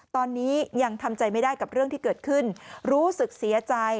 ตอนนี้ยังทำใจไม่ได้กับเรื่องที่เกิดขึ้นรู้สึกเสียใจ